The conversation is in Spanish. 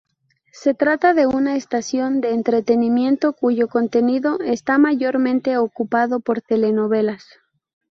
Se trata de una estación de entretenimiento cuyo contenido está mayormente ocupado por telenovelas.